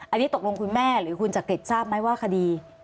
อันนี้ตกลงคุณแม่หรือคุณจักริตทราบไหมว่าคดี